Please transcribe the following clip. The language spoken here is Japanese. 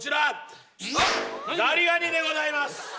ザリガニでございます。